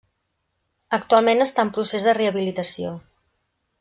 Actualment està en procés de rehabilitació.